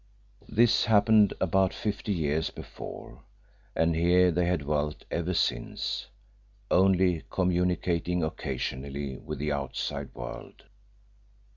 This happened about fifty years before, and here they had dwelt ever since, only communicating occasionally with the outside world.